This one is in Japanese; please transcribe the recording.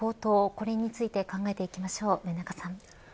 これについて考えていきましょう、上中さん。